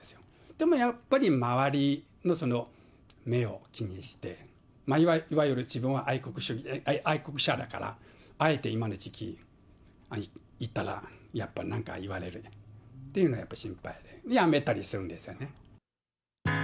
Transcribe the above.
でもやっぱり周りの目を気にして、いわゆる自分は愛国者だから、あえて今の時期行ったら、やっぱり何か言われるっていうのは、やっぱり心配でやめたりするんですね。